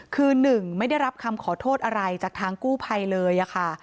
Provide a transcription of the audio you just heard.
คือหนึ่งไม่ได้รับคำขอโทษอะไรจากทางกู้ภัยเลยค่ะ